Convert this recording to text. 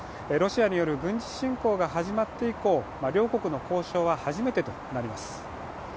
ロシアによる軍事侵攻が始まって以降、両国の交渉は初めてとなります。